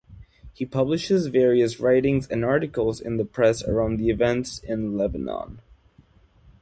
He publishes various writings and articles in the press around the events in Lebanon.